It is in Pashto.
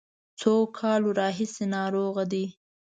څو کالو راهیسې ناروغه دی.